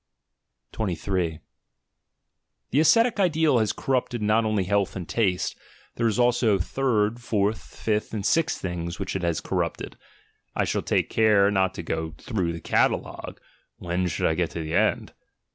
23 The ascetic ideal has corrupted not only health and taste, there are also third, fourth, fifth, and sixth things which it has corrupted — I shall take care not to go through the catalogue (when should I get to the end?).